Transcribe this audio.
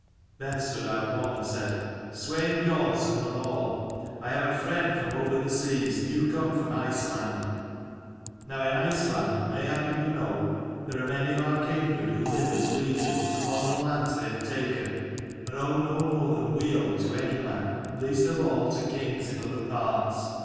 Then stood out one and said, "Swein Biornson and all, I have a friend from over the seas, new come from Iceland, Now in Iceland, mayhappen you know, there are many of our kindred who live as we do upon the lands they have taken, and owe no more than we owe to any man, least of all to kings in other parts.